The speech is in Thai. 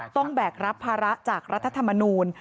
แบกรับภาระจากรัฐธรรมนูล